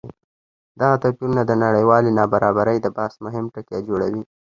دغه توپیرونه د نړیوالې نابرابرۍ د بحث مهم ټکی جوړوي.